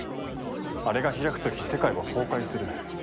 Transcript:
あれが開く時世界は崩壊する。